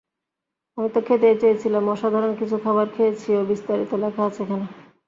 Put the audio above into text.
আমি তো খেতেই চেয়েছিলাম, অসাধারণ কিছু খাবার খেয়েছিও, বিস্তারিত লেখা আছে এখানে।